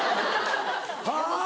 はぁ。